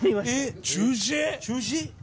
中止？